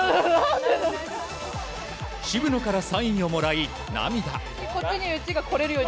渋野からサインをもらい、涙。